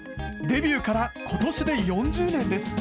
デビューからことしで４０年です。